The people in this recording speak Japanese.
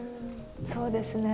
そうですね。